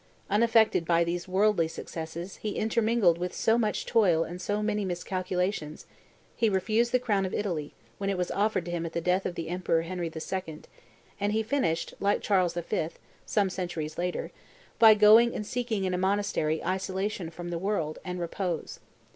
Unaffected by these worldly successes intermingled with so much toil and so many miscalculations, he refused the crown of Italy, when it was offered him at the death of the Emperor Henry II., and he finished, like Charles V. some centuries later, by going and seeking in a monastery isolation from the world and repose.